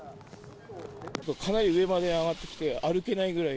かなり上まで上がってきて、歩けないぐらい。